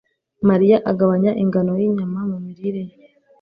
Mariya agabanya ingano yinyama mumirire ye.